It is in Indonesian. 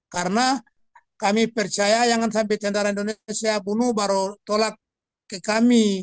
karena kami percaya jangan sampai tentara indonesia bunuh baru tolak ke kami